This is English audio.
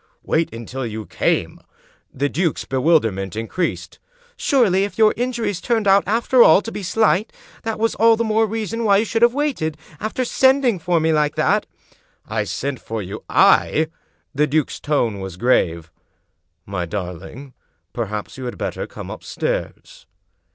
" Wait until you came? " The duke's bewilderment increased. " Surely, if your injuries turned out, after all, to be slight, that was all the more reason why you should have waited, after sending for me like that." " I sent for you — I ?" The duke's tone was grave. " My darling, perhaps you had better come upstairs."